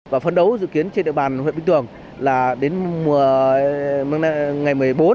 và phấn đấu dự kiến trên địa bàn huyện bình thường là đến mùa ngày một mươi bốn